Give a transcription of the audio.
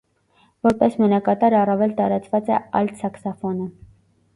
Որպես մենակատար առավել տարածված է ալտ սաքսոֆոնը։